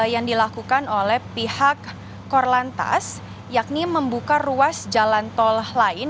yang dilakukan oleh pihak korlantas yakni membuka ruas jalan tol lain